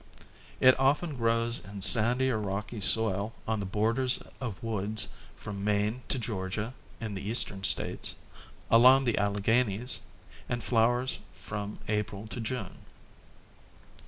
It often grows in sandy or rocky soil on the borders of woods from Maine to Georgia in the Eastern States, along the Alleghanies, and flowers from April to June.